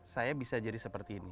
saya bisa jadi seperti ini